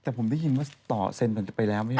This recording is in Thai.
แต่ผมได้ยินว่าต่อเซ็นมันจะไปแล้ว